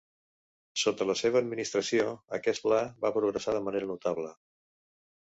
Sota la seva administració, aquest pla va progressar de manera notable.